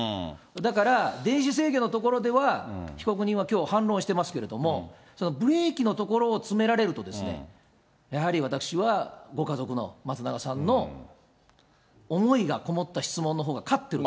だから、電子制御のところでは、被告人はきょう、反論してますけれども、そのブレーキのところを詰められるとですね、やはり私は、ご家族の、松永さんの思いが込もった質問のほうが勝ってると。